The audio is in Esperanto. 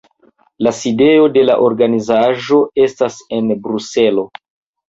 La sidejo de la organizaĵo estas en Bruselo.